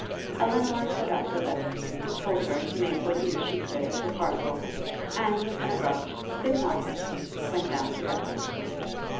Elinor put up her lip; but told her to make what use she could of the parcel, and, with an abrupt 'Good morning,' went down to breakfast.